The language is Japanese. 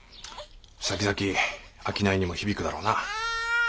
さきざき商いにも響くだろうな。